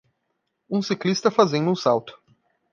Um ciclista fazendo um salto.